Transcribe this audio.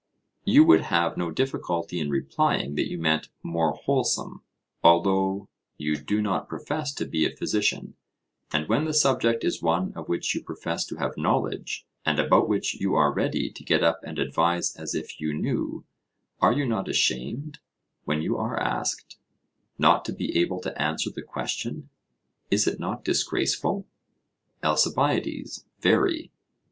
you would have no difficulty in replying that you meant 'more wholesome,' although you do not profess to be a physician: and when the subject is one of which you profess to have knowledge, and about which you are ready to get up and advise as if you knew, are you not ashamed, when you are asked, not to be able to answer the question? Is it not disgraceful? ALCIBIADES: Very.